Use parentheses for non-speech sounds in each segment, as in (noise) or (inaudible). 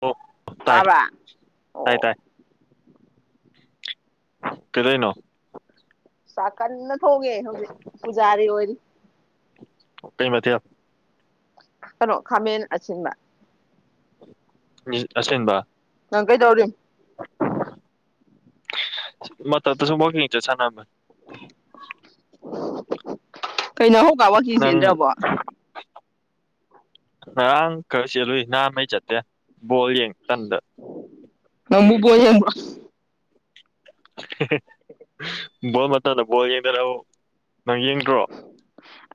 ꯑꯣ ꯇꯥꯏ ꯆꯕ ꯑꯣ ꯀꯗꯏꯅꯣ ꯀꯟꯅ ꯊꯣꯡꯉꯦ ꯍꯧꯖꯤꯛ ꯄꯨꯖꯥꯔꯤ ꯑꯣꯏꯔꯤ ꯀꯩꯃꯊꯌꯥ ꯀꯩꯅꯣ ꯈꯥꯃꯦꯟ ꯑꯁꯤꯤꯟꯕ ꯑꯦꯟꯕ ꯅꯪ ꯀꯩ ꯇꯧꯔꯤꯅꯣ ꯃ ꯇꯁꯨ ꯃꯣꯛꯂꯤ ꯆꯁꯅꯥꯃ ꯑꯣ (unintelligible) ꯀꯩꯅꯣ ꯍꯧ ꯅꯪ ꯀꯥꯕꯀꯤꯁꯗ꯭ꯔꯕꯣ ꯉꯔꯥꯡ ꯈꯔ ꯆꯦꯜꯂꯨꯏ ꯅꯍꯥꯃꯩ ꯆꯠꯇꯦ ꯕꯣꯜ ꯌꯦꯡ ꯇꯟꯗ ꯅꯪꯕꯨ ꯕꯣꯜ ꯌꯦꯡꯕ꯭ꯔꯣ ꯕꯣꯜ ꯃꯇꯝꯗ ꯕꯥꯜ ꯌꯦꯡꯗꯅꯕꯨ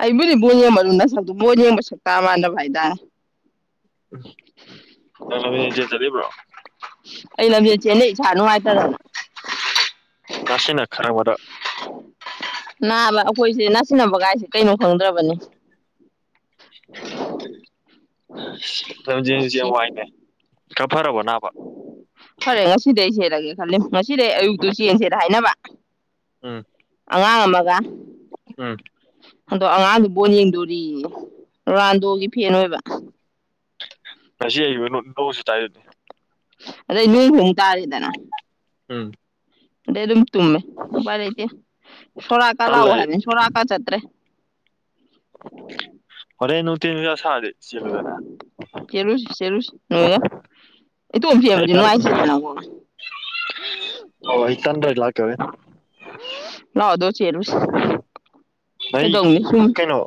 ꯑꯩꯕꯨꯗꯤꯕꯨ ꯌꯦꯡꯕ ꯂꯨꯗ ꯁꯛꯇꯕꯣꯔ ꯌꯦꯡꯕ ꯁꯛꯇ ꯃꯥꯅꯚꯥꯏꯗ ꯅꯪ ꯏꯆꯦ ꯆꯠꯕ꯭ꯔꯣ ꯑꯩ ꯂꯝꯖꯦꯜ ꯆꯦꯜꯂꯩ ꯏꯁꯥ ꯅꯨꯡꯉꯥꯏꯇꯗꯅ ꯃꯁꯤꯅ ꯈꯔꯕꯗ ꯅꯥꯕ ꯑꯩꯈꯣꯏꯁꯦ ꯅꯥꯁꯤꯟꯅꯕꯒꯥꯏꯁꯦ ꯀꯩꯅꯣ ꯈꯪꯗ꯭ꯔꯕꯅꯤ (inaudible) ꯂꯝꯖꯁ ꯁꯤ ꯌꯥꯝ ꯋꯥꯏꯅꯦ ꯀꯞꯐꯔꯕ ꯅꯥꯕ ꯐꯔꯦ ꯉꯁꯤꯗꯩ ꯁꯦꯠꯂꯒꯦ ꯈꯜꯂꯤ ꯉꯁꯤꯗꯩ ꯑꯌꯨꯛꯇꯨ ꯆꯦꯡꯁꯦꯅ ꯍꯥꯏꯅꯕ ꯎꯝ ꯑꯉꯥꯡ ꯑꯃꯒ ꯎꯝ ꯑꯗꯣ ꯑꯉꯥꯡꯗꯨ ꯕꯣꯟ ꯌꯦꯡꯗꯣꯔꯤꯌꯦ ꯔꯥꯟꯗꯣꯒꯤ ꯐꯦꯟ ꯑꯣꯏꯕ ꯉꯁꯤ ꯍꯕ ꯅꯣꯡꯁꯨ ꯇꯥꯏꯔꯗꯤ ꯑꯗꯩ ꯅꯣꯏ ꯍꯣꯡ ꯇꯥꯔꯤꯗꯅ ꯎꯝ ꯑꯗꯩ ꯑꯗꯨꯝ ꯇꯨꯝꯃꯦ ꯕꯥꯔ ꯂꯩꯇ ꯁꯣꯔꯥꯀꯥ ꯇꯜꯂꯦ ꯂꯥꯛꯑꯣ ꯑꯩ ꯍꯥꯏꯕ ꯁꯣꯔꯥꯀꯥ ꯆꯠꯇ꯭ꯔꯦ ꯑꯣꯔꯦ ꯅꯅꯨꯡ ꯇꯤꯟꯒꯁꯗꯤ ꯆꯦꯜꯂꯨꯗꯅ ꯑꯣ ꯌꯥ ꯏ ꯇꯣ ꯐ ꯑꯩ ꯇꯟ ꯅꯨꯡꯉꯥꯏꯁꯤꯗꯅ ꯀ ꯑꯣ ꯑꯩ ꯇꯟꯗ꯭ꯔꯗꯤ ꯀꯩꯗꯧꯅꯤ ꯁꯨꯝ ꯀꯩꯅꯩꯅꯣ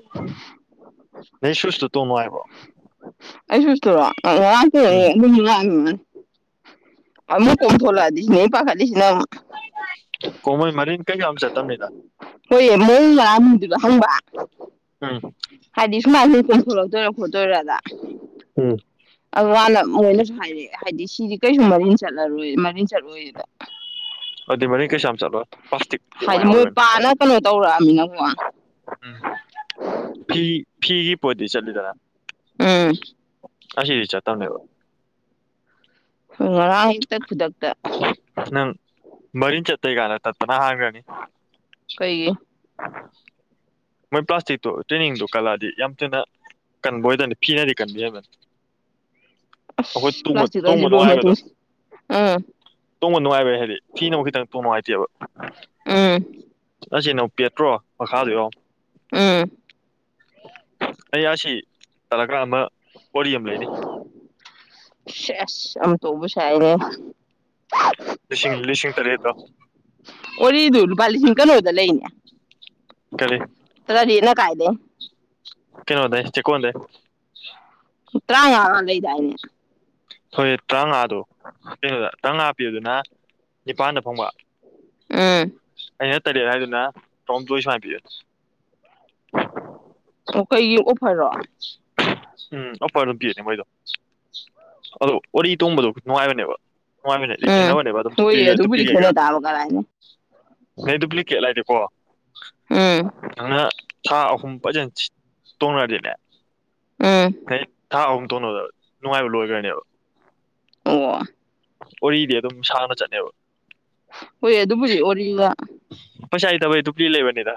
ꯅ ꯁꯨꯁꯇꯨ ꯇꯣꯅꯣ ꯍꯥꯏꯕꯣ ꯑꯩ ꯁꯨꯇꯣꯔꯣ ꯉꯥꯛꯇ ꯑꯗꯨꯝꯁꯨ ꯂꯥꯛꯃꯤꯅꯦ ꯑꯃ ꯀꯣꯊꯣꯂꯗꯤꯁꯤ ꯄꯥꯈꯥꯁꯤꯅ ꯀꯣꯃꯣꯏ ꯃꯔꯤꯟ ꯀꯩ ꯑꯝꯁ ꯇꯝꯅꯤꯗ ꯍꯣꯏꯌꯦ ꯃꯣꯜꯅ ꯑꯔꯥꯟꯕꯗꯨꯅꯣ ꯍꯪꯕ ꯎꯝ ꯍꯥꯏꯗꯤ ꯁꯨꯃꯥꯏꯅ ꯂꯤꯇꯣꯟꯊꯣꯔꯛꯇꯣꯏꯔ ꯈꯣꯠꯇꯣꯏꯔꯗ ꯎꯝ ꯑꯗꯨ ꯍꯅ ꯃꯣꯏꯅꯁꯨ ꯍꯥꯏꯔꯛꯑꯦ ꯍꯥꯏꯗꯤ ꯁꯤꯗꯤ ꯀꯔꯤꯁꯨ ꯃꯔꯤꯟ ꯆꯠꯂꯔꯨ ꯃꯔꯤ ꯆꯠꯂꯨꯏꯁꯤꯗ ꯑꯗꯨꯩ ꯃꯔꯤꯡ ꯀꯩꯁꯥ ꯆꯠꯂꯣ ꯄ꯭ꯂꯥꯁꯇꯤꯛ ꯀ ꯃꯌꯥꯝ ꯃꯣꯏ ꯑꯣꯏꯕꯅꯤ ꯄꯥꯅ ꯀꯩꯅꯣ ꯇꯧꯔꯛꯑꯃꯤꯅꯀꯣ ꯎꯝ ꯐꯤ ꯐꯤꯒꯤ ꯄꯣꯗꯤ ꯆꯠꯗꯔ ꯎꯝ ꯑꯁꯤꯆꯥꯥ ꯊ ꯉꯔꯥꯡ ꯍꯦꯛꯇ ꯈꯨꯗꯛꯇ ꯃꯔꯤ ꯆꯠꯇ ꯑꯩ ꯀꯅ ꯇꯠꯇꯅꯥ ꯍꯥꯡꯒꯅꯤ ꯀꯩꯒꯤ ꯑ ꯃꯣꯏ ꯄ꯭ꯂꯥꯁꯇꯤꯛꯇꯣ ꯇ꯭ꯔꯦꯅꯤꯡꯗꯣ ꯀꯜꯂꯛꯑꯗꯤ ꯌꯥꯝ ꯊꯨꯅ ꯀꯟꯕ ꯑꯣꯏꯗꯕꯅꯤ ꯐꯤꯅꯗꯤ ꯀꯟꯕꯤ ꯍꯥꯏꯕꯅꯤ ꯑ ꯄ꯭ꯂꯥꯁꯇꯛ ꯂꯁꯤ ꯇꯣꯡꯕ ꯂ ꯅꯨꯡꯉꯥꯏꯕꯗꯣ ꯇꯨꯡ ꯑ ꯇꯣꯡꯕ ꯅꯨꯡꯉꯥꯏꯕꯩ ꯍꯥꯏꯗꯤ ꯐꯤꯅ ꯑꯃ ꯈꯤꯇꯪ ꯇꯣꯡ ꯅꯨꯡꯉꯥꯏꯇꯦꯕ ꯎꯝ ꯑꯁꯤꯁ ꯄꯦꯇ꯭ꯔꯣ ꯃꯈꯥꯗ ꯌꯧ ꯎꯝ ꯑꯩ ꯌꯥꯁꯤ ꯆꯂꯒ꯭ꯔꯥ ꯑꯃ ꯋꯥꯔꯤ ꯑꯃ ꯂꯩꯅꯤ ꯑꯁ ꯑ ꯇꯧꯕꯁꯦ ꯍꯥꯏꯅꯦ ꯂꯤꯁꯤꯡ ꯂꯤꯁꯤꯡ ꯇꯔꯦꯠꯇꯣ ꯋꯥꯔꯤꯔꯤꯗꯨ ꯂꯨꯄꯥ ꯂꯤꯁꯤꯡ ꯀꯩꯅꯣꯗ ꯂꯩꯅꯦ ꯀꯔꯤ ꯇꯗꯖꯦꯅ ꯀꯥꯏꯗꯦ ꯀꯩꯅꯣꯗꯦ ꯆꯀꯣꯗꯦ ꯇꯥ ꯋꯥ ꯂ ꯂꯩꯗꯥꯅꯦ ꯍꯣꯏ ꯇꯔꯥꯃꯉꯥꯗꯣ ꯀꯩꯅꯣꯗ ꯇꯔꯥꯃꯉꯥ ꯄꯤꯕꯗꯨꯅ ꯅꯤꯄꯥꯜꯗ ꯐꯪꯕ ꯑꯝ ꯑꯩꯅ ꯇꯔꯦꯠ ꯍꯥꯏꯗꯨꯗꯅ ꯇꯣꯝ ꯇꯣꯏ ꯁꯨꯃꯥꯏ ꯄꯌꯨ ꯑꯣ ꯀꯩ ꯌꯦꯎꯐꯔꯣ ꯎꯝ ꯑꯣꯄ ꯑꯗꯨ ꯄꯤꯅꯦ ꯃꯣꯏꯗꯣ ꯑꯗꯣ ꯋꯥꯔꯤ ꯇꯣꯡꯕꯗꯣ ꯅꯨꯡꯉꯥꯏꯕꯅꯦꯕ ꯅꯨꯡꯉꯥꯏꯃꯤꯅꯦ ꯍꯥꯏꯗꯤ ꯎꯝ ꯈꯦꯠꯅꯕꯅꯦꯕ ꯑꯗꯨꯝ ꯍꯣꯏ ꯑꯗꯨꯕꯨꯗꯤ ꯗꯨꯄ꯭ꯂꯤꯀꯦꯠꯀ ꯈꯦꯠꯅ ꯇꯥꯕ ꯀꯔꯥꯏꯅ ꯅ ꯗꯨꯄ꯭ꯂꯤꯀꯦꯠ ꯂꯩꯗꯤꯦꯀꯣ ꯎꯝ ꯅꯪꯅ ꯊꯥ ꯑꯍꯨꯝ ꯐꯖꯅ ꯇꯣꯡꯅꯔꯗꯤꯅꯦ ꯎꯝ ꯍ ꯊꯥ ꯑꯍꯨꯝ ꯇꯣꯟꯅꯣꯗꯕ ꯅꯨꯡꯉꯥꯏꯕ ꯂꯣꯏꯈ꯭ꯔꯅꯦꯕ ꯑꯣ ꯋꯥꯔꯤꯗꯤ ꯑꯗꯨꯝ ꯁꯥꯡꯅ ꯆꯠꯅꯦꯕ ꯍꯣꯏ ꯑꯗꯨꯕꯨꯗꯤ ꯑꯣ ꯄꯩꯁꯥꯏ ꯏꯗꯕꯩꯗꯨ ꯄ꯭ꯔꯤ ꯂꯩꯕꯅꯤꯗ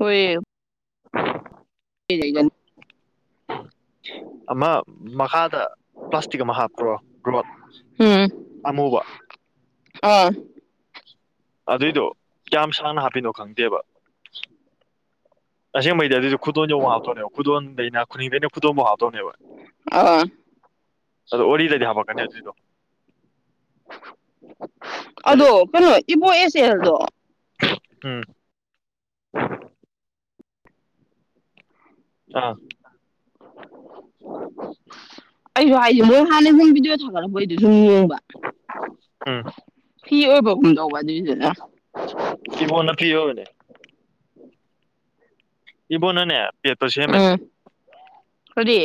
ꯑꯣꯏꯣꯏ ꯅꯤ ꯑꯃ ꯃꯈꯥꯗ ꯄ꯭ꯂꯥꯁꯇꯤꯛ ꯑꯃ ꯍꯥꯞꯄ꯭ꯔꯣ ꯔꯣꯠ ꯎꯝ ꯑꯃꯨꯕ ꯑꯥ ꯑꯗꯨꯏꯗꯣ ꯀꯌꯥꯝ ꯁꯥꯡꯅ ꯍꯥꯞꯄꯤꯅꯣ ꯈꯪꯗꯦꯕ ꯑꯁꯦ ꯃꯩ ꯑꯗꯨꯁꯨꯦ ꯈꯨꯗꯣꯟ ꯆꯧꯕ ꯍꯥꯞꯇꯣꯛꯅꯦꯕ ꯈꯨꯗꯣꯟꯗꯩꯅ ꯈꯨꯅꯤꯡꯗꯩꯅ ꯈꯨꯗꯣꯟꯝꯕꯨꯥꯎ ꯍꯥꯞꯇꯣꯛꯅꯦꯕ ꯑꯥ ꯑꯣ ꯋꯥꯔꯤꯗꯗꯤ ꯍꯥꯄꯛꯀꯅꯤ ꯑꯗꯨꯏꯗꯣ ꯂꯩ- ꯑꯗꯣ ꯀꯩꯅꯣ ꯏꯕꯣ ꯑꯦꯁ ꯑꯦꯜꯗꯣ ꯎꯝ ꯑꯥ ꯑꯩꯁꯨ ꯍꯥꯏꯁꯦ ꯃꯣꯏ ꯍꯥꯟꯅ ꯁꯨꯝ ꯕꯤꯗꯤꯑꯣ ꯊꯥꯒꯠꯂꯝꯕꯣꯏ ꯑꯗꯨꯗꯤ ꯁꯨꯝ ꯌꯦꯡꯕ ꯎꯝ ꯐꯤ ꯑꯣꯏꯕꯒꯨꯝ ꯇꯧꯕ ꯑꯗꯨꯏꯗꯨꯅ ꯁꯤꯤꯕꯣ ꯅ ꯌꯅꯦ ꯏꯕꯨꯣ ꯅꯅꯦ ꯎꯝ ꯐꯗꯤ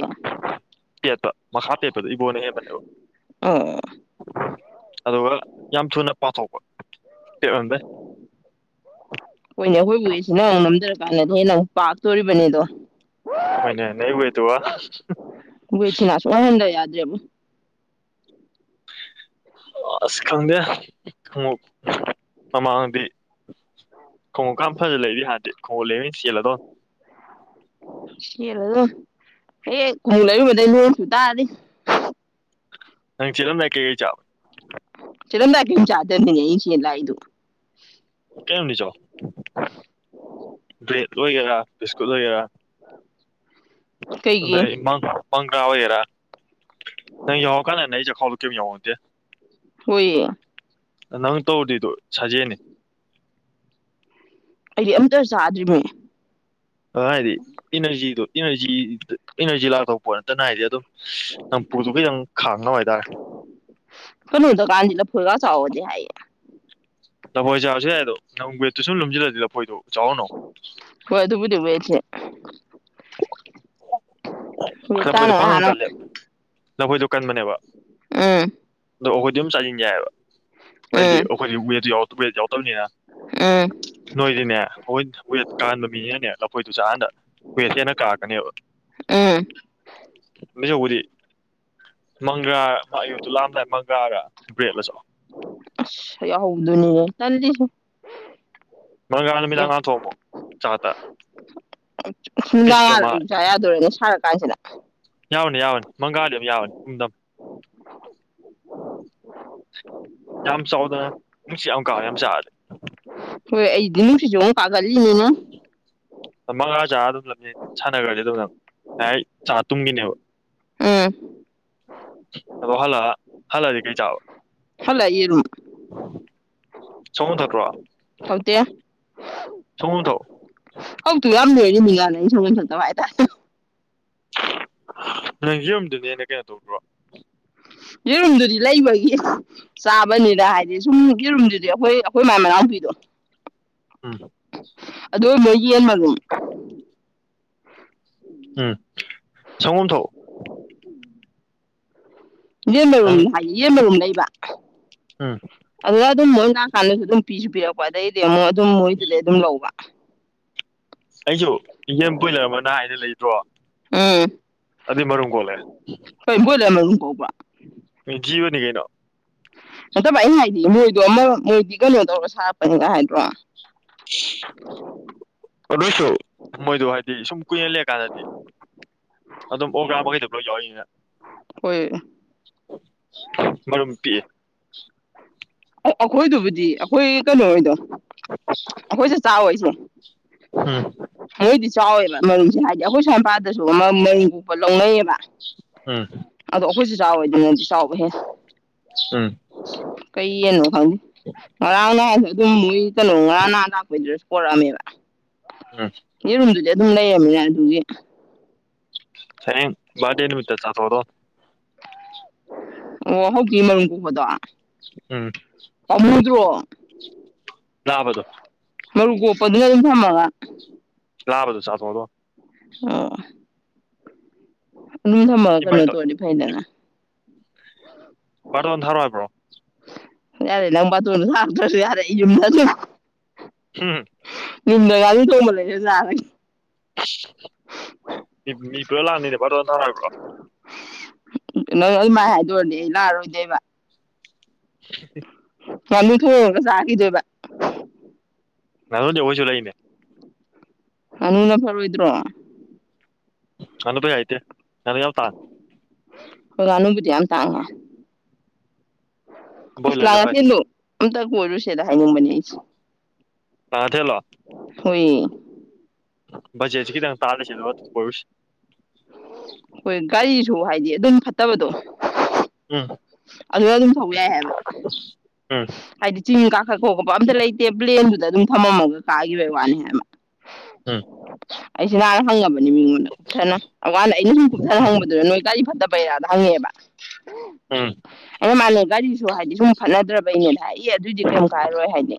ꯇꯦꯠꯄ ꯃꯈꯥ ꯇꯦꯠꯄꯗ ꯏꯕꯣꯅ ꯍꯦꯟꯕꯅꯦꯕ ꯑꯣ ꯑꯗꯨꯒ ꯌꯥꯝ ꯊꯨꯅ ꯄꯥꯊꯣꯛꯄ ꯄꯦꯠꯃꯟꯕꯩ ꯍꯣꯏꯅꯦ ꯑꯩꯈꯣꯏꯕꯨꯁꯤ ꯅꯪꯨꯛ ꯅꯝꯊꯔ ꯥꯟꯅꯦ ꯅꯪ ꯄꯥꯛ ꯇꯣꯔꯤꯕꯅꯤꯗꯣ ꯃꯣꯏꯅꯦ ꯅ ꯑꯣꯏꯣꯏ ꯇ ꯋꯥ ꯃ ꯑꯁ ꯈꯪꯗꯦ ꯈꯣꯡꯎꯞ ꯃꯃꯥꯡꯗꯤ ꯈꯣꯡꯎꯞꯀ ꯐꯖꯅ ꯂꯩꯗꯤ ꯌꯥꯗꯤ ꯈꯣꯡꯎꯞ ꯂꯩꯃꯤ ꯌꯦꯣ ꯍ ꯈꯨꯝꯃꯨ ꯂꯩꯔꯨꯕꯗꯒꯤꯩꯅꯦ ꯇꯥꯔꯗꯤ ꯅꯪ ꯆꯂꯝꯗ ꯀꯦ ꯀ ꯆ ꯆꯠꯣ ꯂ ꯆꯥꯖꯔ ꯉꯁꯤꯂ ꯀꯅꯤ ꯆꯥꯎ ꯕ꯭ꯔꯦꯗ ꯑꯣꯏꯒꯦꯔꯥ ꯕꯤꯁꯀꯨꯠ ꯑꯣꯏꯒꯦꯔꯥ ꯀꯩꯒꯤ ꯑꯗꯩꯥꯡꯥꯡ ꯥ ꯑꯣꯏꯒꯦꯔꯥ ꯅꯪ ꯌꯧꯉ ꯀꯥꯟꯗꯅꯦ ꯑꯩ ꯆꯈꯥꯎꯗꯣ ꯀꯩꯝ ꯌꯥꯧꯗꯦ ꯍꯣꯏꯌꯦ ꯅꯪ ꯇꯧꯗꯣꯏꯗꯣ ꯁꯥꯖꯦꯅꯤ ꯑꯩꯗꯤ ꯑꯝꯇ ꯆꯥꯗ꯭ꯔꯤꯅꯦ ꯑ ꯍꯥꯏꯗꯤ ꯏꯅꯔꯖꯤꯗꯣ ꯏꯅꯔꯖꯤꯗ ꯏꯅꯔꯖꯤ ꯂꯥꯛꯊꯣꯛꯄꯣ ꯅꯠꯇꯅ ꯍꯥꯏꯗꯤ ꯑꯗꯨꯝ ꯅꯝꯐꯨꯗꯨꯒꯩ ꯌꯥꯝ ꯈꯥꯡꯅꯕ ꯍꯥꯏꯇꯥꯔꯦ ꯐꯗꯣ ꯀꯥꯡꯥꯖꯤꯂ ꯂꯐꯣꯏ ꯆꯥꯕꯁꯨ ꯌꯥꯏ ꯑꯗꯣ ꯅꯪ ꯕꯦꯠꯇꯨ ꯁꯨꯝ ꯂꯨꯝꯝꯁꯤꯜꯂꯗꯤ ꯂꯐꯣꯏ ꯊꯣꯛꯣꯛꯎ ꯍꯣꯏ ꯊꯕꯨꯗꯤꯕꯦꯁ ꯅꯐꯣꯏꯗꯣ ꯄꯥꯉꯪ ꯀꯜꯂꯦꯕ ꯅꯐꯣꯏꯗꯣ ꯀꯟꯕꯅꯦꯕ ꯑꯝ ꯑꯗꯣ ꯑꯩꯈꯣꯏꯗꯤ ꯑꯗꯨꯝ ꯆꯥꯅꯤꯡ ꯌꯥꯏꯑꯕ ꯍꯗꯤ ꯎꯝ ꯑꯩꯈꯣꯏ ꯋꯦꯗ ꯌꯥꯎ ꯋꯦ ꯌꯥꯎ ꯅꯦꯔ ꯎꯝ ꯅꯣꯏꯁꯤꯅꯦ ꯑꯩꯣꯏ ꯋꯦꯠ ꯀꯥꯟꯕ ꯃꯤꯅꯦꯅꯅꯦ ꯂꯐꯣꯏꯗꯨ ꯆꯥ ꯍꯥꯟꯗ ꯋꯦꯠ ꯍꯦꯟꯅ ꯀꯥꯔꯛꯀꯅꯦꯕ ꯎꯝ ꯅꯤꯡꯁꯨ ꯎꯗꯤ ꯃꯪꯒ꯭ꯔꯥ ꯑꯌꯨꯗꯨꯨ ꯂꯥꯑꯝꯗꯥꯏ ꯃꯪꯒ꯭ꯔꯥꯔ ꯕ꯭ꯔꯦꯗꯂꯁꯨ ꯌꯥꯎꯍꯧꯗꯨꯅꯤꯌꯦ ꯆꯜꯂꯤꯁꯨ ꯃꯪꯒꯥꯟ ꯃꯤꯗꯥꯉꯅꯥ ꯊꯣꯃꯣ ꯆꯥꯇ ꯌꯨꯝꯖꯥ ꯌꯥꯗ ꯌꯨꯝꯁꯥ ꯌꯥꯗꯣꯏꯔꯦꯅꯦ ꯁꯥꯔ ꯀꯥꯟꯁꯤꯗ ꯌꯥꯎꯅꯤ ꯌꯥꯎꯋꯅꯤ ꯃꯪꯒꯥꯂꯤꯌꯝ ꯌꯥꯎꯅꯤ ꯏꯨꯡꯗꯝ ꯌꯥꯝ ꯆꯥꯎꯗꯅ ꯅꯨꯡꯁꯤ ꯌꯥꯝ ꯀꯥꯎꯦ ꯌꯥꯝ ꯆꯥꯗꯤꯦ ꯍꯣꯏ ꯑꯩꯗꯤ ꯅꯨꯡꯁꯤꯁꯨ ꯑꯃꯨꯛ ꯀꯥꯒꯠꯂꯤꯅꯤꯅ ꯃꯉꯥ ꯆꯥꯔ ꯑꯗꯨꯝ ꯂꯝꯖ ꯁꯥꯟꯅꯈ꯭ꯔꯗꯤ ꯑꯗꯨꯝ ꯉꯥꯏ ꯆꯥ ꯇꯨꯝꯒꯤꯅꯦꯕ ꯎꯝ ꯑꯗꯣ ꯍꯜꯂꯛ ꯍꯜꯂꯛꯑꯗꯤ ꯀꯩ ꯆꯥꯕ ꯍꯂ ꯏꯔꯨꯝ ꯁꯃꯨ ꯊꯠꯇ꯭ꯔꯣ ꯍꯧꯥꯎꯇ ꯇ ꯍꯧꯛꯇꯨ ꯌꯥꯝ ꯂꯔꯤ ꯃꯤꯒꯥꯅ ꯑ ꯁꯨꯝ ꯁꯪꯗꯕ ꯍꯥꯏꯇꯥꯔꯦ ꯅꯪ ꯌꯔꯨꯝꯗꯨꯅꯦꯅ ꯀꯩꯅꯣ ꯇꯧꯗ꯭ꯔꯣ ꯌꯦꯔꯨꯝꯗꯨꯗꯤ ꯂꯩꯕꯒꯤ ꯆꯥꯕꯅꯤꯅ ꯍꯥꯏꯗꯤ ꯁꯨꯝ ꯌꯦꯔꯨꯝꯗꯨꯗꯤ ꯑꯩꯈꯣꯏ ꯑꯩꯈꯣꯏ ꯃꯃꯥꯏ ꯃꯅꯥꯎꯄꯤꯗꯣ (inaudible) ꯎꯝ ꯑꯗ ꯂꯣꯏꯒꯤꯟ ꯃꯉꯣ ꯎꯝ ꯁꯒ ꯊ ꯌꯦꯟꯕꯔꯨꯝ ꯍꯥꯏꯗꯤ ꯌꯦꯟꯕꯔꯨꯝ ꯂꯩꯕ ꯑꯝ ꯑꯗꯨꯗ ꯑꯗꯨꯝ ꯃꯣꯏ ꯂꯥꯛꯀꯥꯟꯗꯁꯨ ꯑꯗꯨꯝ ꯄꯤꯁꯨ ꯄꯤꯔꯛꯄ ꯑꯗꯩꯗꯤ ꯑꯃꯨꯛ ꯑꯗꯨꯝ ꯃꯣꯏꯗꯨꯗꯤ ꯑꯗꯨꯝ ꯂꯧꯕ ꯑꯩꯁꯨ ꯏꯖꯦꯝ ꯕꯣꯏꯂꯔ ꯑꯃꯅ ꯍꯥꯏꯅ ꯂꯩꯇ꯭ꯔꯣ ꯎꯝ ꯑꯗꯨ ꯃꯔꯨꯝ ꯀꯣꯂꯦ ꯍꯕ꯭ꯔ ꯖꯤꯕꯅꯤ ꯀꯩꯅꯣ ꯅꯠꯇꯕ ꯑꯩ ꯍꯥꯏꯗꯤ ꯃꯣꯏꯗꯣ ꯑꯃ ꯃꯣꯏꯗꯤ ꯀꯩꯅꯣ ꯇꯧꯔꯒ ꯁꯥꯔꯛꯄꯅꯤꯒ ꯍꯥꯏꯗ꯭ꯔꯣ ꯑ ꯂꯣꯏꯁꯨ ꯃꯣꯏꯗꯣ ꯍꯥꯏꯗꯤ ꯁꯨꯝ ꯀꯨꯏꯅ ꯂꯩ ꯀꯥꯟꯗꯗꯤ ꯑꯗꯨꯝ ꯑꯣꯒ꯭ꯔꯥ ꯃꯈꯩꯗ ꯂꯣꯏ ꯌꯥꯎꯔꯤꯅꯤꯅ ꯍꯣꯏ ꯃꯔꯨꯝ ꯄꯤꯑ ꯑꯩꯈꯣꯏꯗꯨꯕꯨꯗꯤ ꯑꯩꯈꯣꯏ ꯀꯩꯅꯣ ꯑꯣꯏꯗꯣ ꯑꯩꯈꯣꯏꯁꯨꯦ ꯆꯥꯎꯥꯋꯣꯏꯁꯨ ꯎꯝ ꯆꯥꯎꯋꯦꯕ ꯃꯔꯨꯁꯦ ꯍꯥꯏꯗꯤ ꯑꯩꯈꯣꯏ ꯁ꯭ꯋꯥꯏ ꯃꯄꯥꯗꯁꯨ ꯑꯃ ꯃꯔꯤꯟ ꯀꯣꯛꯄ ꯂꯧꯅꯩꯌꯦꯕ ꯎꯝ ꯑꯗꯣ ꯑꯩꯈꯣꯏꯁꯨ ꯆꯥꯎꯋꯦꯗꯤ ꯅꯉꯗꯤ ꯆꯥꯎꯕ ꯍꯦ ꯎꯝ ꯀꯌꯦꯅ ꯈꯥꯎ ꯃꯔꯔꯥꯎꯅ ꯑꯗꯨꯝ ꯃꯣꯏ ꯀꯩꯅꯣꯝ ꯉꯔ ꯅꯅꯥ ꯂꯥꯛꯄꯩꯗꯨꯔꯁꯨ ꯄꯣꯔꯛꯑꯝꯃꯦꯕ ꯎꯝ ꯑꯗꯨꯝ ꯂꯩꯔꯕꯅꯦ ꯑꯗꯨꯒꯤ ꯁꯦꯡ ꯕꯥꯦ ꯅꯨꯃꯤꯠꯇ ꯆꯊꯗꯣ ꯑꯣ ꯍꯧꯛ ꯃꯔꯨꯝ ꯎꯝ ꯀꯣꯛꯕꯗꯣꯃꯨꯗ꯭ꯔꯣ ꯂꯕꯗꯣ ꯃꯔ ꯀꯣꯄꯗ ꯂꯩ ꯊꯃꯒ ꯂꯕꯗꯨ ꯁꯥꯊꯗ ꯑ ꯀ ꯊꯃ ꯀꯣ ꯏꯟꯚꯥꯏꯠ ꯇꯧ ꯇꯗꯤ ꯐꯥꯏꯗꯅ ꯋꯥꯕꯥꯗꯣꯟ ꯊꯔꯋꯥ ꯍꯥꯏꯕ꯭ꯔꯣ ꯌꯥꯔꯦ ꯅꯪꯝꯕ ꯇ ꯁꯥꯔꯗꯧꯁꯨ ꯌꯥꯔꯦ ꯏꯖ ꯊ ꯍꯝ ꯌꯨꯝꯗꯒꯥꯗꯤ ꯇꯣꯡꯕ ꯂꯩꯔ ꯆꯥꯔꯅꯤ ꯃꯤ ꯄꯨꯔ ꯂꯥꯛꯅꯤꯅꯦꯕꯇ ꯅꯥꯔꯕ꯭ꯔꯣ ꯅꯪ ꯑꯗꯨꯃꯥꯏꯅ ꯍꯥꯏꯗꯔꯗꯤ ꯑꯩ ꯂꯥꯛꯑꯔꯣꯏꯗꯣꯏꯕ ꯁꯤ ꯋꯥꯃꯤ ꯊ ꯉ ꯆꯥꯈꯤꯗꯣꯏꯕ ꯅꯅꯗꯤ ꯍꯧꯁꯨ ꯂꯩꯏꯅꯦ ꯑꯅꯨꯟꯅ ꯄꯔ ꯑꯣꯏꯣꯏꯗ꯭ꯔꯣ ꯑꯅꯗ ꯍꯥꯏꯥꯏꯇꯦ ꯅ ꯌꯥꯎ ꯇꯥ ꯝ ꯇꯥꯉ ꯑꯁ ꯂꯥ ꯕꯣꯏꯂꯔꯅ ꯐꯩ ꯌꯥꯊꯦꯜꯗꯨꯣ ꯑꯝꯇ ꯀꯣꯏꯔꯨꯁꯦꯅ ꯍꯥꯏꯅꯤꯡꯕꯅꯦ ꯑꯩꯁꯦ ꯁꯥ ꯊꯦꯂꯣ ꯍꯣꯏ ꯕꯖꯦꯠꯁꯤꯦ ꯈꯤꯇꯪ ꯇꯥꯂꯁꯤꯗ ꯄꯔꯨꯁ ꯍꯣꯏ ꯒꯥꯔꯤꯁꯨ ꯍꯥꯏꯗꯤ ꯑꯗꯨꯝ ꯐꯠꯇꯕꯗꯣ ꯎꯝ ꯑꯗꯨ ꯑꯗꯨꯝ ꯊꯧꯕ ꯌꯥꯏ ꯍꯥꯏꯕ ꯎꯝ ꯍꯥꯏꯗꯤ ꯆꯤꯡ ꯀꯥꯈꯠ ꯈꯣꯠ ꯈꯠꯄ ꯑꯝꯇ ꯂꯩꯇꯦ ꯄ꯭ꯂꯦꯟꯗꯨꯗ ꯑꯗꯨꯝ ꯐꯝꯃꯝꯃꯒ ꯀꯥꯈꯤꯕꯒꯤ ꯋꯥꯅꯤ ꯍꯥꯏꯕ ꯎ ꯎ ꯑꯩꯁꯤꯅꯥꯥꯟ ꯍꯪꯉꯕꯅꯤ ꯃꯤꯉꯣꯟꯗ ꯀꯨꯞꯊꯅ ꯑꯗꯨꯀꯥꯟꯗ ꯑꯩꯅ ꯁꯨꯝ ꯀꯨꯞꯊꯅ ꯍꯪꯕꯗꯨꯗ ꯅꯣꯏ ꯒꯥꯔꯤ ꯐꯠꯇꯕꯩꯔꯥꯗ ꯍꯪꯉꯦꯕ ꯎꯝ ꯑꯩꯅ ꯃꯥꯥꯟꯂ ꯒꯥꯔꯤꯁꯨ ꯍꯥꯏꯗꯤ ꯁꯨꯝ ꯐꯅꯗ꯭ꯔꯕꯩꯅꯦꯅ ꯏ ꯑꯗꯨꯑꯣꯏꯗꯤ ꯀꯩꯝ ꯀꯥꯏꯔꯣꯏ ꯍꯥꯏꯅꯤ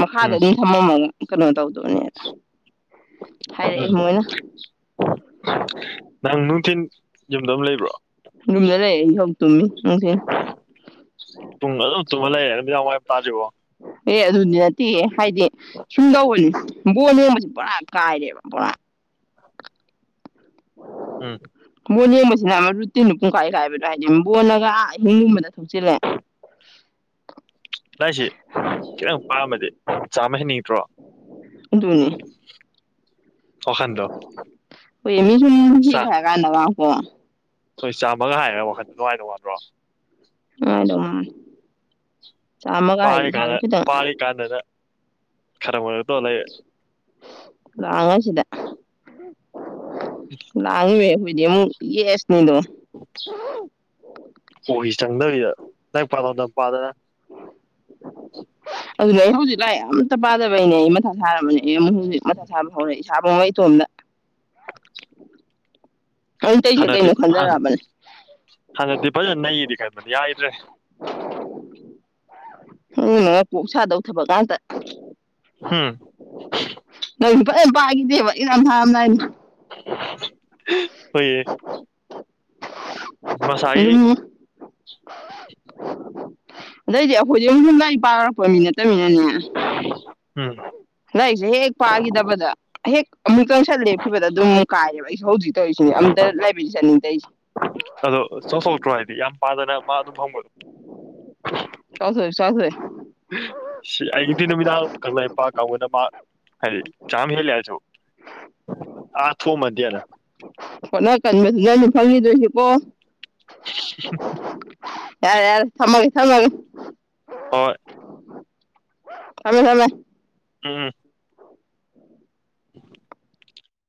ꯃꯈꯥꯗ ꯎꯝ ꯑꯗꯨꯝ ꯊꯝꯃꯝꯃ ꯀꯩꯅꯣ ꯇꯧꯗꯣꯏꯅꯦꯅ ꯍꯥꯏꯔꯛꯑꯦ ꯃꯣꯏꯅ ꯅꯪꯅ ꯌꯨꯝꯗ ꯑꯗꯨꯝ ꯂꯩꯕ꯭ꯔꯣ ꯗ ꯂꯩ ꯍ ꯇꯁꯤ ꯇꯨꯡ ꯇꯨ ꯍ ꯇꯥꯖꯕ ꯑꯦ ꯑꯗꯨꯗꯤ ꯅꯠꯇꯦ ꯍꯥꯏꯗꯤ ꯁꯨꯝ ꯂꯧꯕꯅꯤ ꯕꯣ ꯅꯣꯝꯕꯁꯦ ꯄꯨꯕꯣꯔꯥ ꯀꯥꯏꯔꯦꯕ ꯕꯣꯔꯥ ꯎꯝ ꯕꯣꯟ ꯌꯦꯡꯕꯁꯤꯅ ꯑꯃ ꯔꯨꯇꯤꯟ ꯄꯨꯡꯈꯥꯏ ꯀꯥꯏꯕꯗꯣ ꯍꯥꯏꯗꯤꯕꯣꯟꯂꯒ ꯑꯥ ꯑꯍꯤꯡꯒꯨꯝꯕꯗ ꯊꯣꯛꯆꯜꯂꯦ (unintelligible) ꯂꯥꯏꯁꯤ ꯈꯤꯇꯪ ꯄꯥꯝꯃꯗꯤ ꯆꯥꯝꯃ ꯍꯦꯟꯅꯤꯡꯗ꯭ꯔꯣ ꯑꯗꯨꯅꯤ (unintelligible) ꯋꯥꯈꯟꯗꯣ ꯃꯤ ꯆꯥ ꯂꯩꯒ ꯅꯉꯕꯨꯣ ꯍꯣꯏ ꯆꯥꯝꯃꯒ ꯍꯥꯏꯔꯒ ꯋꯥꯈꯜꯗꯣ ꯉꯥꯏꯧ ꯋꯥꯗ꯭ꯔꯣ ꯥꯏꯗꯧ ꯃꯥꯅꯤ ꯆꯥꯝꯃꯒ ꯍꯥꯏꯗꯤ ꯁꯥꯅ ꯄꯥꯔꯤꯀꯥꯟꯗ ꯈꯤꯇꯪ ꯄꯥꯔꯤꯀꯥꯟꯗꯅ ꯈꯔ ꯑꯣꯏꯔ ꯇꯣꯂ ꯂꯉꯃꯦ ꯍꯣꯏꯗꯃꯨ ꯌꯦꯁ ꯃꯤꯗꯣ ꯀꯣꯛꯁꯤ ꯆꯪꯗꯕꯤꯗ ꯅꯪ ꯄꯥꯂꯣꯝꯗꯝ ꯄꯥꯗꯅ (unintelligible) ꯑꯗꯨꯅ ꯑꯩ ꯍꯧꯖꯤꯛ ꯂꯥꯏ ꯑꯝꯇ ꯄꯥꯗꯕꯩꯅꯦ ꯑꯩ ꯃꯊꯥ ꯁꯥꯔꯝꯕꯅꯦ ꯑꯩ ꯑꯃꯨꯛ ꯍꯧꯖꯤꯛ ꯃꯊꯥ ꯁꯥꯕ ꯍꯧꯔꯛꯦ ꯏꯁꯥꯕ ꯑꯃ ꯏꯇꯣꯝꯗ ꯑ ꯇꯩꯁ ꯀꯩꯅ ꯈꯟꯗꯔꯄꯅꯤ ꯍꯗ ꯗꯗꯤꯄ ꯅꯩ ꯏꯗꯤ ꯀꯥꯏꯃꯅꯤ ꯌꯥꯏꯗ꯭ꯔꯦ ꯎꯝ ꯅ ꯄꯣꯛ ꯁꯥꯗꯧꯊꯕꯀꯇ ꯎꯝ ꯅꯪ ꯅꯨꯄꯥ ꯌꯥꯝ ꯄꯥꯏꯈꯤꯗꯦꯕ ꯌꯥꯝ ꯍ ꯍꯥꯝ ꯅꯥꯏꯅ ꯍꯣꯏꯌꯦ ꯃꯁꯥꯏ ꯑꯗꯨꯝ (inaudible) ꯑꯗꯩꯗꯤ ꯑꯩꯈꯣꯏꯗꯤ ꯌ ꯌꯨꯝ ꯂꯥꯏ ꯄꯥꯅꯔꯛꯄ ꯃꯤ ꯅꯠꯇꯅꯤꯅꯅꯦ ꯎꯝ ꯄꯥꯈꯤꯗꯕꯗ ꯍꯦꯛ ꯑꯃꯨꯛꯇꯪ ꯁꯠ ꯂꯦꯞꯈꯤꯕꯗ ꯑꯗꯨꯝ ꯀꯥꯏꯔꯦꯕ ꯑꯩꯁꯨ ꯍꯧꯖꯤꯛ ꯇꯧꯔꯤꯁꯤꯅꯦ ꯑꯝꯇ ꯂꯥꯏꯕꯁꯤ ꯆꯠꯅꯤꯡꯗꯔꯤꯁꯦ ꯑꯗꯣ ꯆꯧꯊꯣꯛꯇ꯭ꯔꯣ ꯍꯥꯏꯗꯤ ꯌꯥꯝ ꯄꯥꯗꯅ ꯃꯥ ꯑꯗꯨꯝ ꯍꯪꯕꯗꯣ ꯆꯣ ꯍꯋꯦ ꯀꯗ ꯃꯥ ꯍꯥꯏ ꯆꯥꯝ ꯍ ꯂꯦꯁꯨ ꯑꯥꯊꯣ ꯃꯙꯅ ꯍꯣꯠꯅ ꯀꯟꯕꯁꯤ ꯅ ꯑꯗꯨꯝ ꯐꯪꯈꯤꯗꯣꯏꯁꯤꯀꯣ ꯌꯥꯔꯦ ꯌꯥꯔꯦ ꯊꯃꯒꯦ ꯊꯃꯒꯦ ꯍꯣꯏ ꯊꯃꯦ ꯊꯃꯦ ꯎꯝ (inaudible)